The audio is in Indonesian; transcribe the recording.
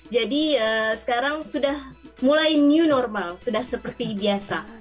jadi sekarang sudah mulai new normal sudah seperti biasa